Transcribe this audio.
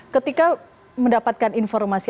ketika mendapatkan informasi